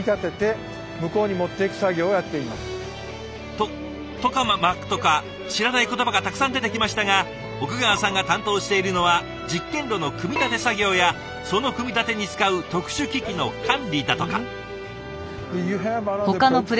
トトカマクとか知らない言葉がたくさん出てきましたが奥川さんが担当しているのは実験炉の組み立て作業やその組み立てに使う特殊機器の管理だとか。